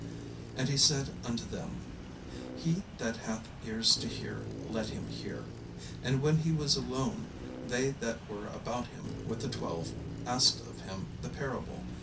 And he said unto them: "He that hath ears to hear, let him hear." And when he was alone, they that were about him with the twelve asked of him the parable.